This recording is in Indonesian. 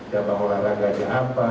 jambang olahraganya apa